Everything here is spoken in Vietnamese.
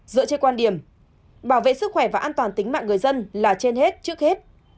dựa trên quan điểm bảo vệ sức khỏe và an toàn tính mạng người dân là trên hết trước hết